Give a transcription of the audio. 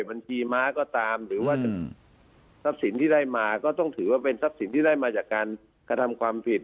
บัญชีม้าก็ตามหรือว่าทรัพย์สินที่ได้มาก็ต้องถือว่าเป็นทรัพย์สินที่ได้มาจากการกระทำความผิด